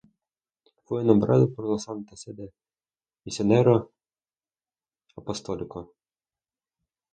Fue nombrado por la Santa Sede Misionero Apostólico.